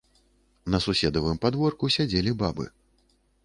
На суседавым падворку сядзелі бабы.